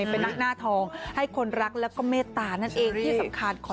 เป็นนักหน้าทองให้คนรักแล้วก็เมตตานั่นเองที่สำคัญขอ